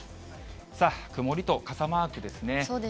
さあ、曇りと傘マークですね。